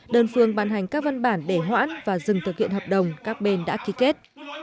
đơn phương ban hành các văn bản để hoãn và dừng thực hiện hợp đồng các bên đã ký kết